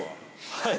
◆はい。